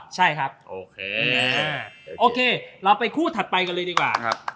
ใช่ครับโอเคโอเคเราไปคู่ถัดไปกันเลยดีกว่าครับ